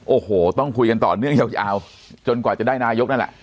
โอ้โหต้องคุยกันต่อเนื่องยาวจนกว่าจะได้นายกนั่นแหละ